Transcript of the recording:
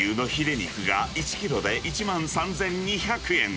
肉が１キロで１万３２００円。